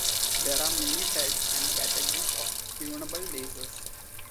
There are many types and categories of tunable lasers.